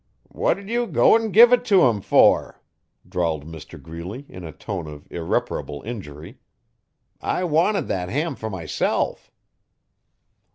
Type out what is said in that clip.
'What did you go 'n give it to him for?' drawled Mr Greeley in a tone of irreparable injury. 'I wanted that ham for myself.